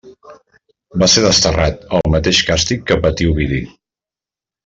Va ser desterrat, el mateix càstig que patí Ovidi.